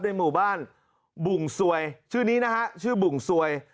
หมู่บ้านบุ่งสวยชื่อนี้นะฮะชื่อบุ่งสวย